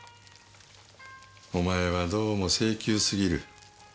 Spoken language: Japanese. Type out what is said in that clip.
お前はどうも性急すぎる。